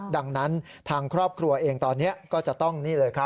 ดังนั้นทางครอบครัวเองตอนเนี้ยก็จะต้อง